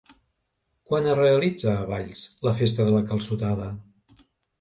Quan es realitza a Valls la Festa de la Calçotada?